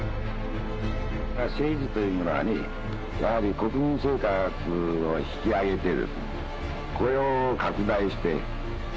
政治というものはね、やはり国民生活を引き上げて、雇用を拡大して。